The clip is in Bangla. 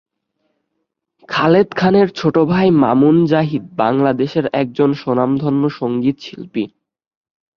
খালেদ খানের ছোট ভাই মামুন জাহিদ বাংলাদেশের একজন স্বনামধন্য সঙ্গীত শিল্পী।